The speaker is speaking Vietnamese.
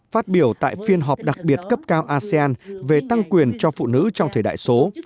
phát biểu tại phiên họp đặc biệt cấp cao asean về tăng quyền cho phụ nữ trong thời đại số